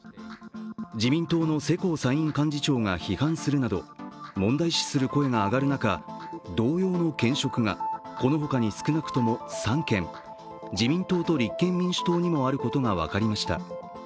自民党の世耕参院幹事長が批判するなど、問題視する声が上がる中、同様の兼職がこのほかに少なくとも３件自民党と立憲民主党にもあることが分かりました。